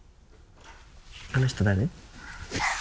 あの人誰？